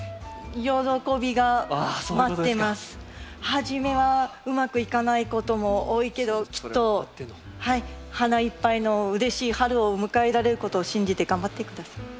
初めはうまくいかないことも多いけどきっと花いっぱいのうれしい春を迎えられることを信じて頑張って下さい。